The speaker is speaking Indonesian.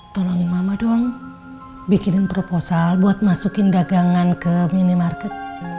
tolongin mama dong bikinin proposal buat masukin dagangan ke minimarket